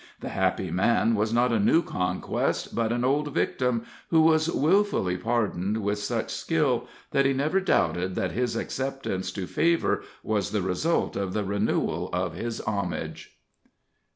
The happy man was not a new conquest, but an old victim, who was willfully pardoned with such skill, that he never doubted that his acceptance to favor was the result of the renewal of his homage.